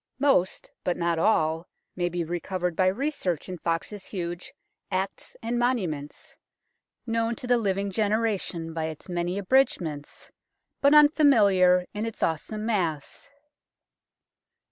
Most, but not all, may be recovered by research in Foxe's huge Acts and Monuments, known to the living generation by its many abridgements, but un familiar in its awesome mass.